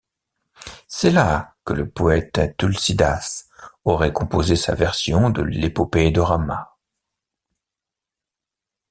C'est là que le poète Tulsîdâs aurait composé sa version de l'épopée de Rāma.